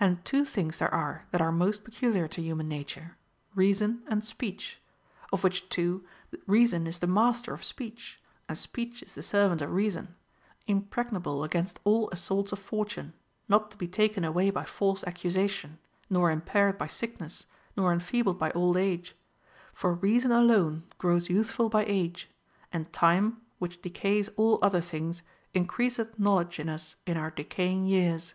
And two things there are that are most peculiar to human nature, reason and speech ; of which two, reason is the master of speech, and speech is the servant of reason, im pregnable against all assaults of fortune, not to be taken away by false accusation, nor impaired by sickness, nor enfeebled by old age. For reason alone grows youthful by age ; and time,^ which decays all other things, increaseth knowledge in us in our decaying years.